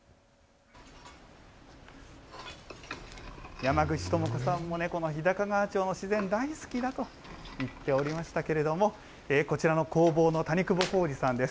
山口智子さんもね、この日高川町の自然、大好きだと言っておりましたけれども、こちらの工房の谷久保浩二さんです。